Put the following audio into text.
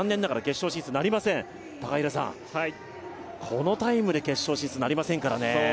このタイムで決勝進出なりませんからね。